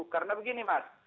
karena begini mas